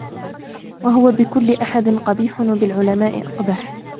وَهُوَ بِكُلِّ أَحَدٍ قَبِيحٌ وَبِالْعُلَمَاءِ أَقْبَحُ